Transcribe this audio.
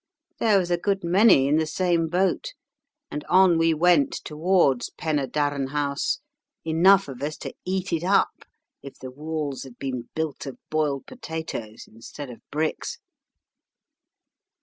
There was a good many in the same boat, and on we went towards Penydarren House, enough of us to eat it up, if the walls had been built of boiled potatoes instead of bricks.